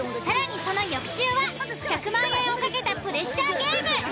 更にその翌週は１００万円を懸けたプレッシャーゲーム。